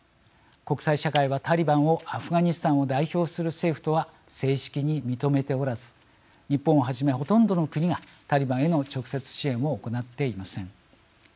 国際社会はタリバンをアフガニスタンを代表する政府とは正式に認めておらず日本をはじめほとんどの国がタリバンへの直接支援を行っていません。